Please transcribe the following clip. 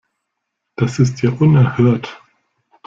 Das ist ja unerhört.